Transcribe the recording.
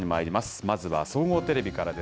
まずは、総合テレビからです。